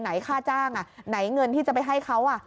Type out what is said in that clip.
ค่าจ้างไหนเงินที่จะไปให้เขา